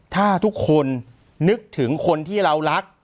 ถ้าทุกคนนึกถึงคนที่เรารัก